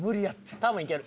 多分いける。